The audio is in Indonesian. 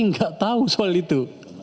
enggak tahu soal itu